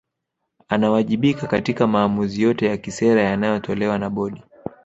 Anawajibika katika maamuzi yote ya kisera yanayotolewa na Bodi